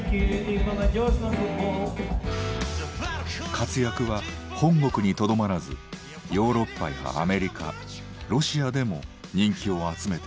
活躍は本国にとどまらずヨーロッパやアメリカロシアでも人気を集めていた。